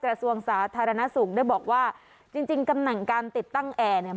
กระทรวงศาสตร์ธรรณสูงได้บอกว่าจริงกำหนังการติดตั้งแอร์เนี่ย